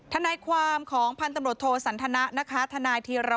ถ้าในความของพันตำรวจโทรสันทนะนะคะท่านายธีรวัตรเทียบทีบอกว่า